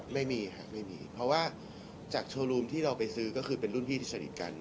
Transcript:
ไม่มีค่ะไม่มีเพราะว่าจากโชว์รูมที่เราไปซื้อก็คือเป็นรุ่นพี่ที่สนิทกัน